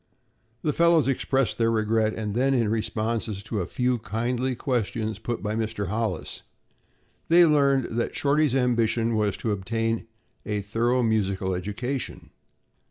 The fellows expressed their regret and then in responses to a few kindly questions put by Mr. Hollis, they learned that Shorty's ambition was to obtain a thorough musical education.